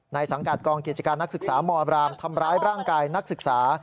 สังกัดกองกิจการนักศึกษามบรามทำร้ายร่างกายนักศึกษา